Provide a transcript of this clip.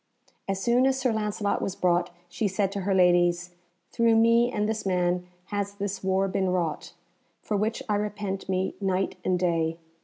As soon as Sir Lancelot was brought, she said to her ladies, "Through me and this man has this war been wrought, for which I repent me night and day.